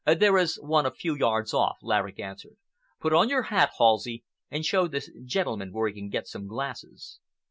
"There is one a few yards off," Laverick answered. "Put on your hat, Halsey, and show this gentleman where he can get some glasses."